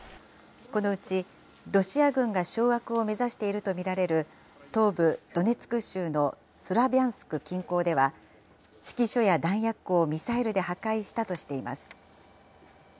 このうちロシア軍が掌握を目指していると見られる、東部ドネツク州のスラビャンスク近郊では、指揮所や弾薬庫をミサイルで破壊したとしています。